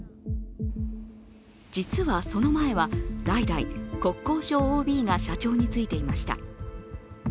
実はその前は代々、国交省ＯＢが社長についていました。